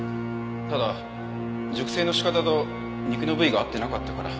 ただ熟成の仕方と肉の部位が合ってなかったから。